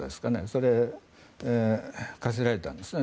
それを科せられたんですね。